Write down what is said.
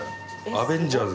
アベンジャーズ。